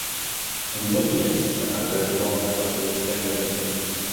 Původně se angažoval v katolické moderně.